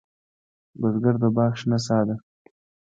بزګر د باغ شنه سا ده